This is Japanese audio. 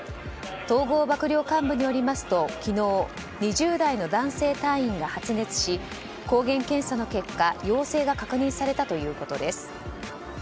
統合幕僚監部によりますと昨日、２０代の男性隊員が発熱し抗原検査の結果陽性が確認されたということです。